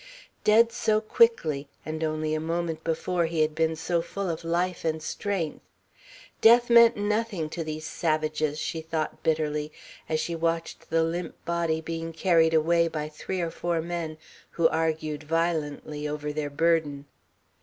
Dead so quickly, and only a moment before he had been so full of life and strength. Death meant nothing to these savages, she thought bitterly, as she watched the limp body being carried away by three or four men, who argued violently over their burden.